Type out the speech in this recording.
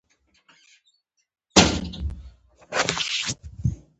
د بښنې دعا د خیر پیغام دی.